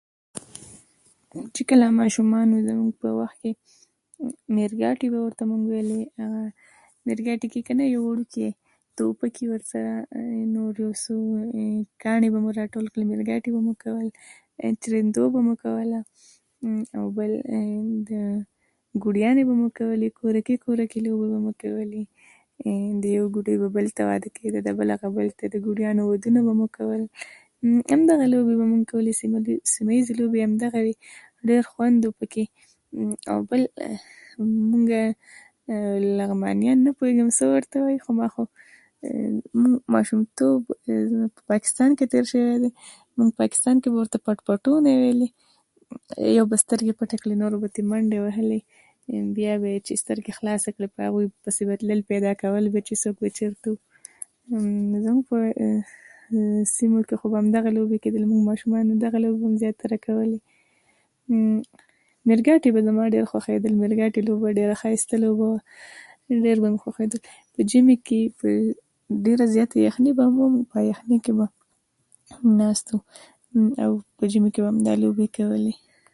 چې کله ماشومان وو، زموږ په وخت کې نیرکاتي به وو، چې موږ ویل هغه نیرکاندې کې کنه یو وړوکی توپک وي ورسره، نو یو څو کاڼي مو راټول کړل او نیرکاتي به مو کول او تېرېندو به مو کوله، او بل کوډیاني به مو کول او کور کې کور کې لوبې مو کولې. د یو کوډۍ بل ته واده کېده، د بل هغه بل ته. د کوډیانو ودونه به مو کول، همدغه لوبې به مو کولې، سیمه ایزې لوبې همدغه وې، ډېر خوند و په کې. او بل، مونږه لغمانیان نه پوهېږم څه ورته وایي، خو ما خو د ماشومتوب پاکستان کې تېر شوی دی. موږ پاکستان کې ورته پت پتوه ویل. یو به سترګې پټې کړې، نور به ترې منډې وهلې، بیا به یې چې سترګې خلاصې کړې، د هغو پسې به تلل، پیدا کول چې څوک به چېرته و. زموږ په سیمه کې همدغه لوبې کېدې او موږ ماشومان همدغه لوبې به مو زیاتره کولې. او نیرکاتي به زما ډېر خوښېدل. نیرکاتي لوبه ډېره ښایسته لوبه وه، ډېر به مو خوښېدل. په ژمي کې ډېره زیاته یخني به وه او په یخني کې به ناست وو، او په ژمي کې مو دغه لوبې کولې.